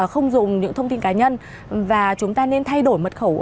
không dùng những thông tin cá nhân và chúng ta nên thay đổi mật khẩu